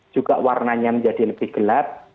juga warnanya menjadi lebih gelap